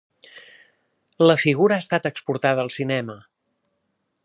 La figura ha estat exportada al cinema.